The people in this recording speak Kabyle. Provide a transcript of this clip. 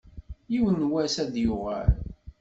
Yiwen n wass ad d-yuɣal.